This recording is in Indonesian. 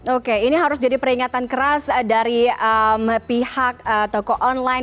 oke ini harus jadi peringatan keras dari pihak toko online